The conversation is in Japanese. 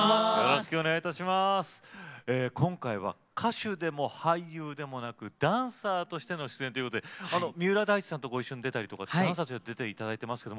今回は歌手でも俳優でもなくダンサーとしての出演ということで三浦大知さんと一緒に出ていただいてますけど。